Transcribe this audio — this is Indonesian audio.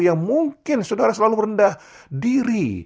yang mungkin saudara selalu rendah diri